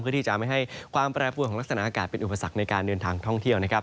เพื่อที่จะไม่ให้ความแปรปวนของลักษณะอากาศเป็นอุปสรรคในการเดินทางท่องเที่ยวนะครับ